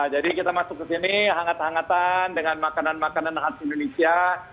jadi kita masuk ke sini hangat hangatan dengan makanan makanan hapsi indonesia